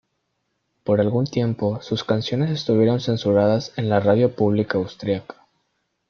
Por algún tiempo sus canciones estuvieron censuradas en la radio pública austríaca.